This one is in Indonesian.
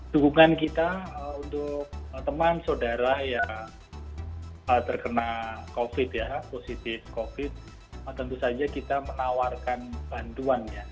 dukungan kita untuk teman saudara yang terkena covid ya positif covid tentu saja kita menawarkan bantuan ya